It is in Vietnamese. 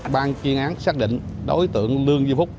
ban chuyên án xác định đối tượng lương duy phúc